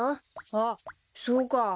あっそうか。